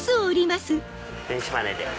電子マネーで。